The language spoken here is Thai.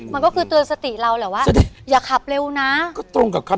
มันก็คือเตือนสติเราแหละว่า